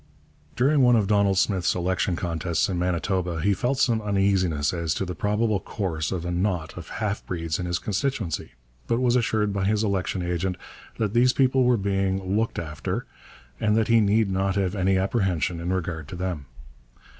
During one of Donald Smith's election contests in Manitoba he felt some uneasiness as to the probable course of a knot of half breeds in his constituency, but was assured by his election agent that these people were being 'looked after,' and that he need not have any apprehension in regard to them.